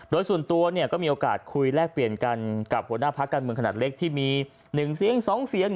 โดยส่วนตัวก็มีโอกาสคุยแลกเปลี่ยนกันกับหัวหน้าพักการเมืองขนาดเล็กที่มี๑เสียง๒เสียง